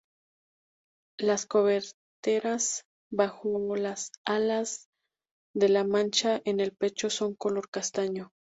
Las coberteras bajo las alas de la mancha en el pecho son color castaño.